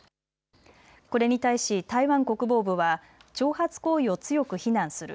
これに対し台湾国防部は挑発行為を強く非難する。